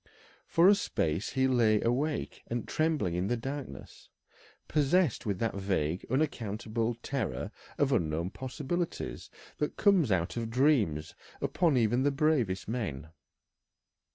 For a space he lay awake and trembling in the darkness, possessed with that vague, unaccountable terror of unknown possibilities that comes out of dreams upon even the bravest men.